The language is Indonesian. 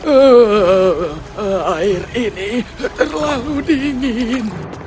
oh air ini terlalu dingin dingin